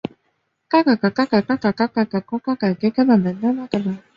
是京成本线特急通过站中上下车人次最多的车站。